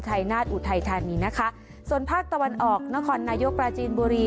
นาฏอุทัยธานีนะคะส่วนภาคตะวันออกนครนายกปราจีนบุรี